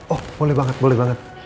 oh boleh banget boleh banget